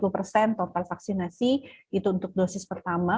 dua puluh persen total vaksinasi itu untuk dosis pertama